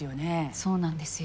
そうなんですよ。